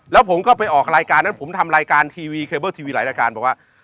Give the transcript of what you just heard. แล้วผมก็ไปออกรายการนั้นผมทำรายการทีวีเคเบิลทีวีหลายรายการบอกว่า